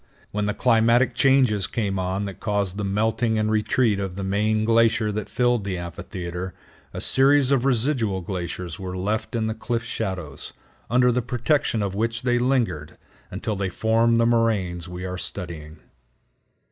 When the climatic changes came on that caused the melting and retreat of the main glacier that filled the amphitheater, a series of residual glaciers were left in the cliff shadows, under the protection of which they lingered, until they formed the moraines we are studying.